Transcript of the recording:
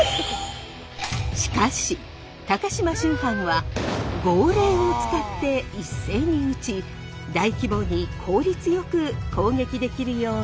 しかし高島秋帆は号令を使って一斉に撃ち大規模に効率よく攻撃できるようにしたのです。